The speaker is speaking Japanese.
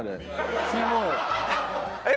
えっ？